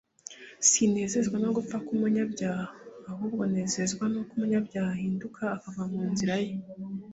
sinezezwa no gupfa ku munyabyaha” ahubwo nezezwa nuko umunyabyaha ahindukira akava mu nziraye